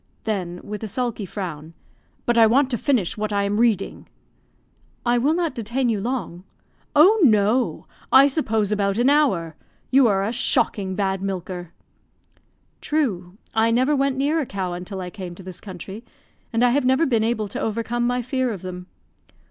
(then, with a sulky frown), "but I want to finish what I am reading." "I will not detain you long." "Oh, no! I suppose about an hour. You are a shocking bad milker." "True; I never went near a cow until I came to this country; and I have never been able to overcome my fear of them."